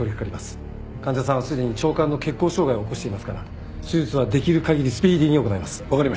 患者さんはすでに腸管の血行障害を起こしていますから手術はできる限りスピーディーに行います。